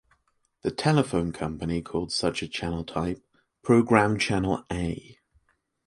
The telephone company called such a channel type; Program channel A.